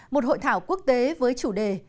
một hội thảo quốc tế với chủ đề